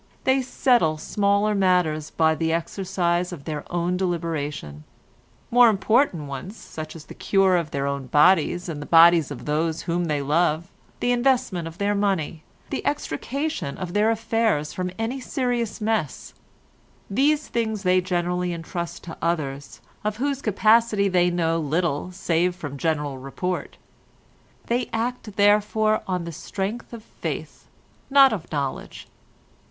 They settle smaller matters by the exercise of their own deliberation. More important ones, such as the cure of their own bodies and the bodies of those whom they love, the investment of their money, the extrication of their affairs from any serious mess—these things they generally entrust to others of whose capacity they know little save from general report; they act therefore on the strength of faith, not of knowledge.